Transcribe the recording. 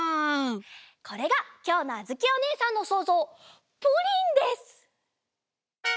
これがきょうのあづきおねえさんのそうぞうプリンです！